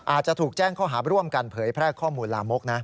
อาจจะถูกแจ้งข้อหาร่วมกันเผยแพร่ข้อมูลลามกนะ